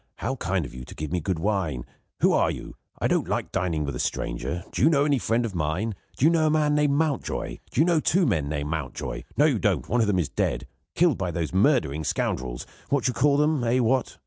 How kind of you to give me good wine. Who are you? I don't like dining with a stranger. Do you know any friend of mine? Do you know a man named Mountjoy? Do you know two men named Mountjoy? No: you don't. One of them is dead: killed by those murdering scoundrels what do you call them? Eh, what?"